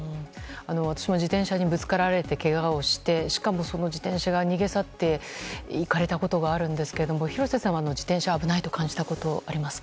私も自転車にぶつかられてけがをしてしかも、その自転車に逃げ去っていかれたことがあるんですが廣瀬さんは自転車、危ないと感じたことありますか？